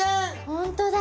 本当だ！